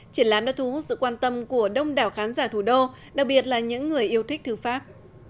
triển lãm đã thu hút sự quan tâm của đông đảo khán giả thủ đô đặc biệt là những người yêu thích thư pháp